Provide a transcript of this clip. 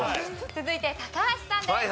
続いて高橋さんです。